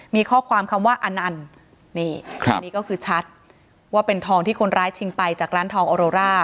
มีข้อความคำว่าอนันต์นี่อันนี้ก็คือชัดว่าเป็นทองที่คนร้ายชิงไปจากร้านทองออโรร่า